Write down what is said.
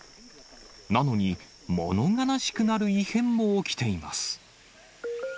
なのに、もの悲しくなる異変も起きています。